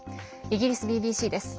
イギリスＢＢＣです。